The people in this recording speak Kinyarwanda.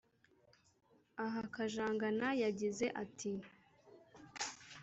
Aha Kajangana yagize ati